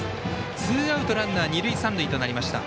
ツーアウト、ランナー二塁三塁となりました。